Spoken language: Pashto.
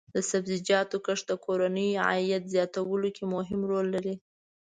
د سبزیجاتو کښت د کورنیو عاید زیاتولو کې مهم رول لري.